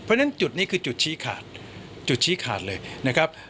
เพราะฉะนั้นจุดนี้คือจุดชี้ขาดจุดชี้ขาดเลยนะครับ